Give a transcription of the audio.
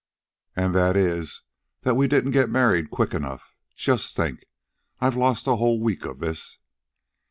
"An' that is that we didn't get married quick enough. Just think. I've lost a whole week of this."